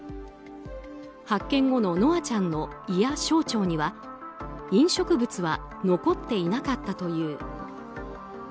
発見後の稀華ちゃんの胃や小腸には飲食物は残っていなかったという。